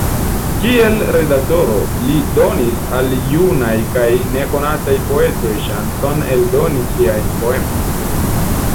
Kiel redaktoro, li donis al junaj kaj nekonataj poetoj ŝancon eldoni siajn poemojn.